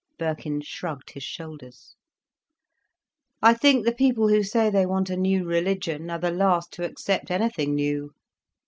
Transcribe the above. Birkin shrugged his shoulders. "I think the people who say they want a new religion are the last to accept anything new.